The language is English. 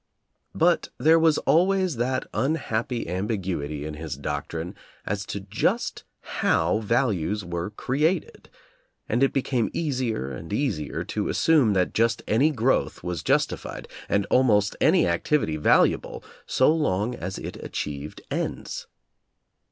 But there was always that unhappy ambiguity in his doctrine as to just how values were created, and it became easier and eas ier to assume that just any growth was justified and almost any activity valuable so long as it achieved ends.